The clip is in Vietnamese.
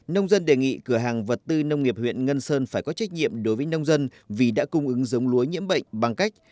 nông dân đề nghị cửa hàng vật tư nông nghiệp huyện ngân sơn phải có trách nhiệm đối với nông dân vì đã cung ứng giống lúa nhiễm bệnh bằng cách